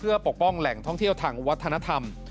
เพื่อปกป้องแหล่งท่องเที่ยวทางวัฒนธรรม